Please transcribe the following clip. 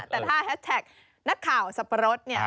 แต่ถ้าแฮชแท็กนักข่าวสับปะรดเนี่ย